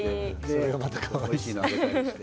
それがまたかわいい。